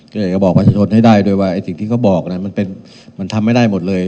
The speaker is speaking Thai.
ก็อยากจะบอกประชาชนให้ได้ด้วยว่าไอ้สิ่งที่เขาบอกมันทำไม่ได้หมดเลย